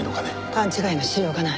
勘違いのしようがない。